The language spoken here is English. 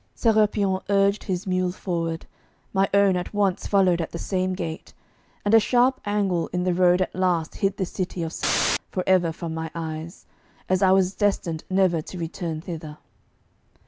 Sérapion urged his mule forward, my own at once followed at the same gait, and a sharp angle in the road at last hid the city of S for ever from my eyes, as I was destined never to return thither.